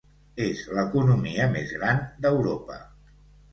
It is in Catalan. És l'economia més gran d'Europa.